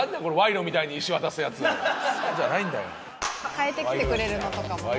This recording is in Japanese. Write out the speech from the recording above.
変えてきてくれるのとかもね。